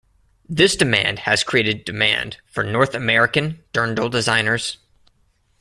This demand has created demand for North American dirndl designers.